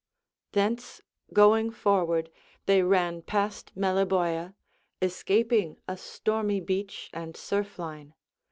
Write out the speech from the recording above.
Thence going forward they ran past Meliboea, escaping a stormy beach and surf line.